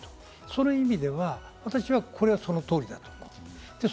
その意味では私はこれはその通りだと思う。